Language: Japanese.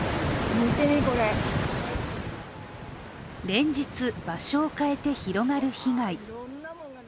連日、場所を変えて広がる被害。